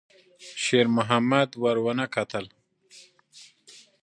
شېرمحمد ور ونه کتل.